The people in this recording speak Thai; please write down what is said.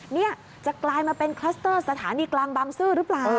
นี่จะกลายมาเป็นคลัสเตอร์สถานีกลางบางซื่อหรือเปล่า